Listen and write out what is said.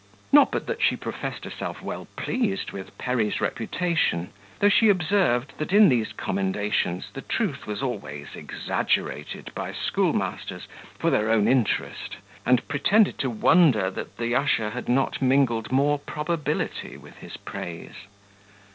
Not but that she professed herself well pleased with Perry's reputation; though she observed that in these commendations the truth was always exaggerated by schoolmasters, for their own interest; and pretended to wonder that the usher had not mingled more probability with his praise.